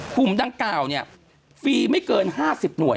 ภูมิดัง๙เนี่ยฟรีไม่เกิน๕๐หน่วย